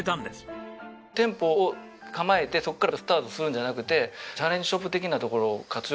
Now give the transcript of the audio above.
店舗を構えてそこからスタートするんじゃなくてチャレンジショップ的な所を活用して。